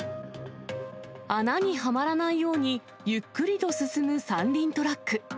穴にはまらないように、ゆっくりと進む三輪トラック。